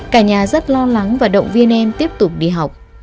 cả nhà rất lo lắng và động viên em tiếp tục đi học